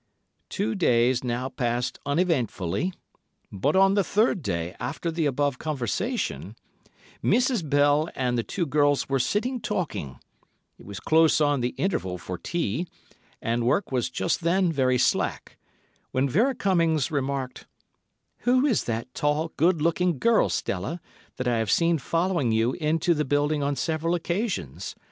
Two days now passed uneventfully, but on the third day after the above conversation, Mrs. Bell and the two girls were sitting talking—it was close on the interval for tea, and work was just then very slack—when Vera Cummings remarked, "Who is that tall, good looking girl, Stella, that I've seen following you into the building on several occasions.